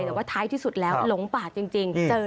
แต่ว่าท้ายที่สุดแล้วหลงป่าจริงเจอ